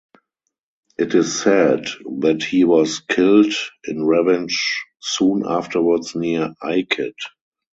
It is said that he was killed in revenge soon afterwards near Aiket.